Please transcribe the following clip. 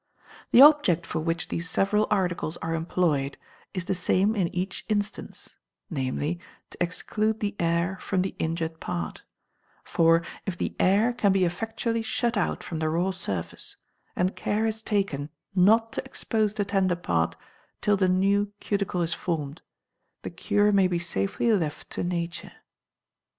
The object for which these several articles are employed is the same in each instance; namely, to exclude the air from the injured part; for if the air can be effectually shut out from the raw surface, and care is taken not to expose the tender part till the new cuticle is formed, the cure may be safely left to nature.